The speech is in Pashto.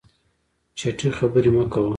چټي خبري مه کوه !